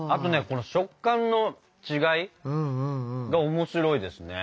この食感の違いが面白いですね。